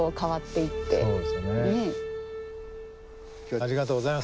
ありがとうございます。